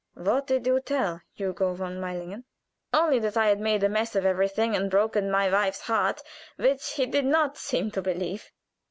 "What did you tell Hugo von Meilingen?" "Only that I had made a mess of everything and broken my wife's heart, which he did not seem to believe.